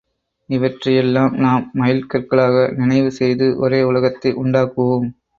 இவற்றை யெல்லாம் நாம் மைல் கற்களாக நினைவு செய்து ஒரே உலகத்தை உண்டாக்குவோம்.